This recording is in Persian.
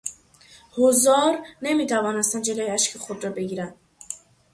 حضار نمیتوانستند جلوی اشک خود را بگیرند.